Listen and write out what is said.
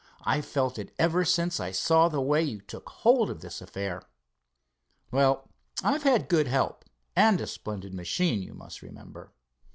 I've felt it ever since I saw the way you took hold of this affair." "Well, I've had good help and a splendid machine, you must remember."